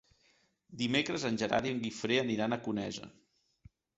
Dimecres en Gerard i en Guifré aniran a Conesa.